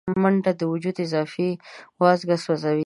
منډه د وجود اضافي وازګه سوځوي